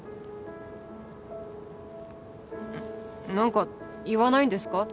何か言わないんですか？